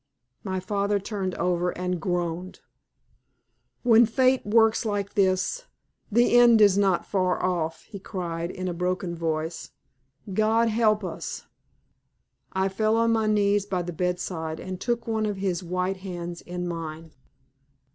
My father turned over and groaned. "When Fate works like this, the end is not far off," he cried, in a broken voice. "God help us!" I fell on my knees by the bedside, and took one of his white hands in mine.